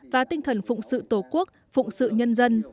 và tinh thần phụng sự tổ quốc phụng sự nhân dân